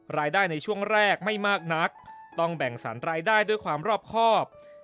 รายได้ในช่วงแรกไม่มากนักต้องแบ่งสรรรายได้ด้วยความรอบครอบ